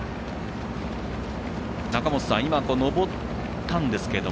中本さん、今、上ったんですけど